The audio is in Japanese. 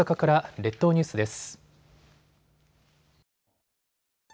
列島ニュースです。